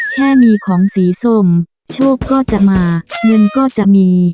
แค่มีของสีส้มโชคก็จะมาเงินก็จะมี